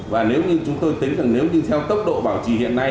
và nếu như chúng tôi tính rằng nếu như theo tốc độ bảo trì hiện nay